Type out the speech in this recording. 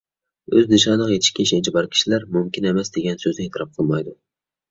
ئۆز نىشانىغا يېتىشكە ئىشەنچى بار كىشىلەر «مۇمكىن ئەمەس» دېگەن سۆزنى ئېتىراپ قىلمايدۇ.